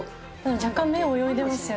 若干目泳いでますよね。